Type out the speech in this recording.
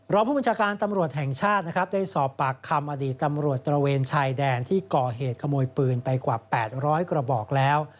รองผู้บัญชาการตำรวจแห่งชาตินะครับได้สอบปากคำอดีตตำรวจตระเวนชายแดนที่ก่อเหตุขโมยปืนไปกว่า๘๐๐กระบอกแล้ว